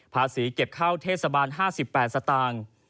ภาษีเก็บเข้าเทศบาล๕๘สตางค์